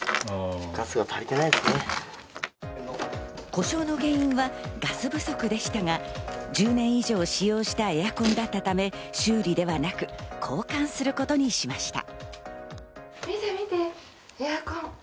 故障の原因はガス不足でしたが、１０年以上使用したエアコンだったため修理ではなく、交換することにしました。